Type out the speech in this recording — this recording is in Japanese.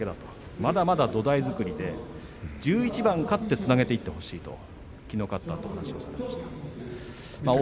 まだまだと土台作りで１１番勝ってつなげていってほしいときのう勝ったあと話をしていました。